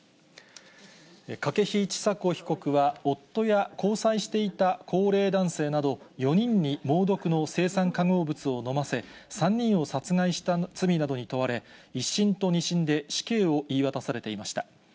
筧千佐子被告は、夫や交際していた高齢男性など４人に猛毒の青酸化合物を飲ませ、３人を殺害した罪などに問われ、１審と２審で死刑を言い渡されていました。